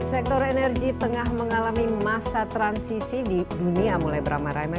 sektor energi tengah mengalami masa transisi di dunia mulai beramai ramai